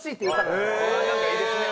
なんかいいですね。